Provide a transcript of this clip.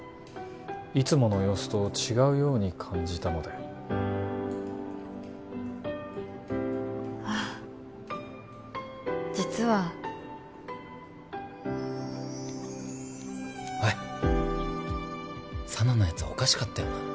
いつもの様子と違うように感じたのであ実はおい佐奈のやつおかしかったよな？